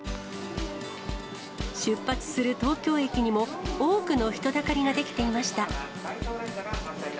出発する東京駅にも、多くの人だかりが出来ていました。